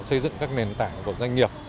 xây dựng các nền tảng của doanh nghiệp